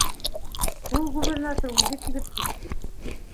Шул губернатор үҙе килеп төштө.